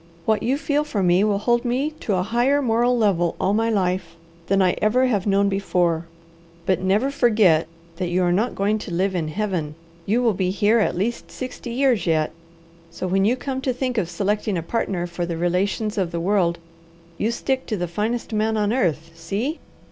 What you feel for me will hold me to a higher moral level all my life than I ever have known before; but never forget that you are not going to live in Heaven. You will be here at least sixty years yet, so when you come to think of selecting a partner for the relations of the world, you stick to the finest man on earth; see?"